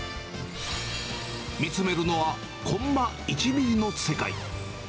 見つめるのは、コンマ１ミリの世界。